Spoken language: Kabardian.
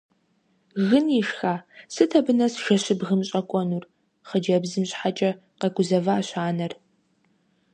Гын ишха, сыт абы нэс жэщыбгым щӀэкӀуэнур? – хъыджэбзым щхьэкӀэ къэгузэващ анэр.